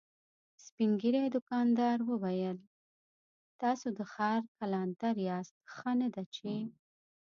سپين ږيری دوکاندار وويل: تاسو د ښار کلانتر ياست، ښه نه ده چې…